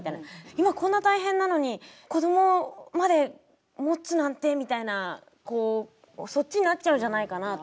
今こんな大変なのに、なんか子どもまで持つなんてっていうそっちになっちゃうんじゃないかなと。